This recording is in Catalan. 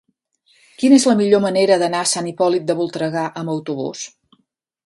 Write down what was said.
Quina és la millor manera d'anar a Sant Hipòlit de Voltregà amb autobús?